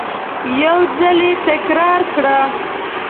یو ځل یې تکرار کړه !